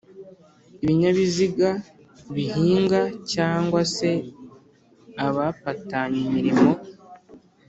ibinyabiziga bihinga cg se abapatanye imirimo